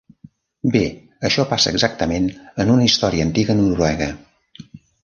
Bé, això passa exactament en una història antiga noruega.